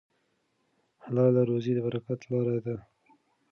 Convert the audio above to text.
حلاله روزي د برکت لاره ده.